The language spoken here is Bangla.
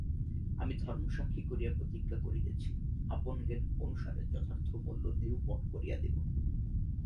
আমি ধর্ম সাক্ষী করিয়া প্রতিজ্ঞা করিতেছি আপন জ্ঞান অনুসারে যথার্থ মূল্য নিরূপণ করিয়া দিব।